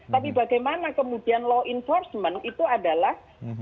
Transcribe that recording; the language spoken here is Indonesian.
tapi bagaimana kemudian law enforcement itu adalah